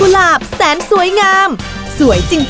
พี่ดาขายดอกบัวมาตั้งแต่อายุ๑๐กว่าขวบ